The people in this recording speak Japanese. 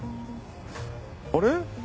あれ？